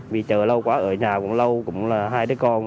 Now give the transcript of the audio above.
vì chờ lâu quá ở nhà cũng lâu cũng là hai đứa con